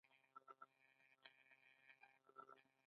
اوستا کتاب په دې خاوره کې ولیکل شو